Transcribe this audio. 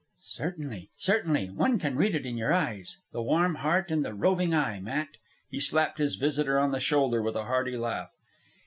"Certainly, certainly. One can read it in your eyes. The warm heart and the roving eye, Matt!" He slapped his visitor on the shoulder with a hearty laugh.